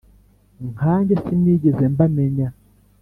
'nkanjye sinigeze mbamenya